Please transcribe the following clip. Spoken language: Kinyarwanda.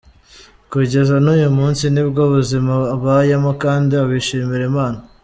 Kugeza n’uyu munsi nibwo buzima abayemo kandi abishimira Imana.